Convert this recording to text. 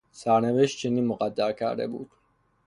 سرنوشت چنین مقدر کرده بود.